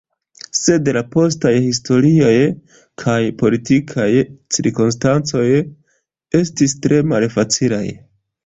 Sed la postaj historiaj kaj politikaj cirkonstancoj estis tre malfacilaj.